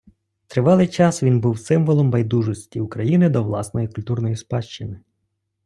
Тривалий час він був символом байдужості України до власної культурної спадщини.